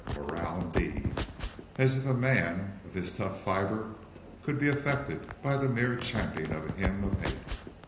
Morale, indeed! As if a man of his tough fiber could be affected by the mere chanting of a Hymn of Hate!